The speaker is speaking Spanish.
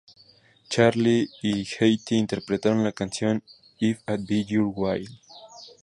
Charley y Hattie interpretaron la canción "If It Be Your Will".